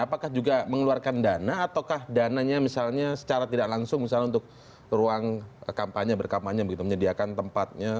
apakah juga mengeluarkan dana ataukah dananya misalnya secara tidak langsung misalnya untuk ruang kampanye berkampanye begitu menyediakan tempatnya